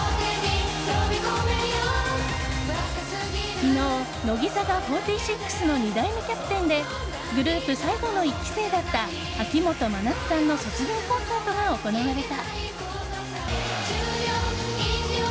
昨日、乃木坂４６の２代目キャプテンでグループ最後の１期生だった秋元真夏さんの卒業コンサートが行われた。